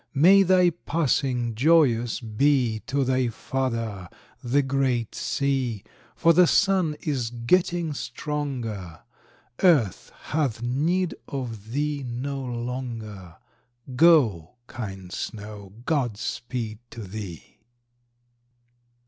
May thy passing joyous be To thy father, the great sea, For the sun is getting stronger; Earth hath need of thee no longer; Go, kind snow, God speed to thee!